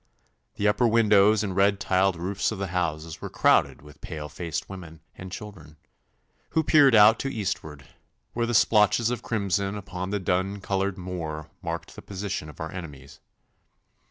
The upper windows and red tiled roofs of the houses were crowded with pale faced women and children, who peered out to eastward, where the splotches of crimson upon the dun coloured moor marked the position of our enemies.